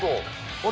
あれ？